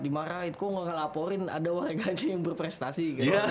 dimarahin kok gak laporin ada warganya yang berprestasi